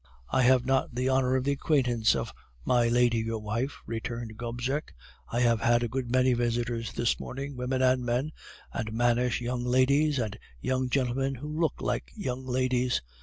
"'I have not the honor of the acquaintance of my lady your wife,' returned Gobseck. 'I have had a good many visitors this morning, women and men, and mannish young ladies, and young gentlemen who look like young ladies.